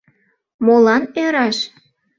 — Молан ӧраш?